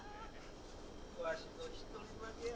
わしの一人負けや。